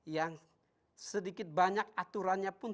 yang sedikit banyak aturannya pun